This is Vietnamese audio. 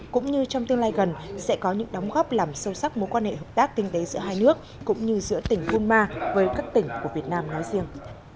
cũng như trong tương lai gần sẽ có những đóng góp làm sâu sắc mối quan hệ hợp tác kinh tế giữa hai nước cũng như giữa tỉnh gunma với các tỉnh của việt nam nói riêng